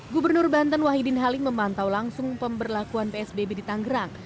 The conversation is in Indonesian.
gubernur banten wahidin halim memantau langsung pemberlakuan psbb di tanggerang